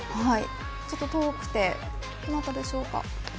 ちょっと遠くてどなたでしょうか。